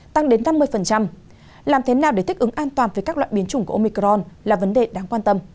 tăng đến năm mươi làm thế nào để thích ứng an toàn với các loại biến chủng của omicron là vấn đề đáng quan tâm